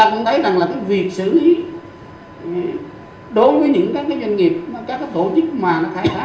chúng ta cũng thấy rằng là cái việc xử lý đối với những cái doanh nghiệp các cái tổ chức mà nó khai thác